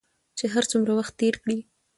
چې هر څومره وخت تېر کړې